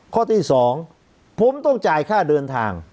ข้อที่๒ผมต้องจ่ายค่าเดินทาง